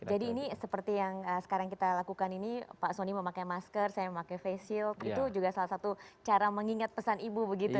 jadi ini seperti yang sekarang kita lakukan ini pak soni memakai masker saya memakai face shield itu juga salah satu cara mengingat pesan ibu begitu ya pak ya